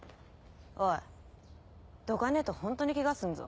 おいどかねえとホントにケガすんぞ。